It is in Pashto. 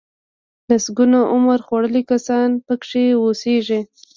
سلګونه عمر خوړلي کسان پکې اوسيږي.